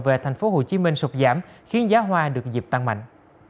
về thành phố hồ chí minh sụp giảm khiến giá hoa được dịp tăng mạnh